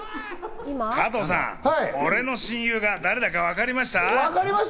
加藤さん、俺の親友が誰だかわかりました？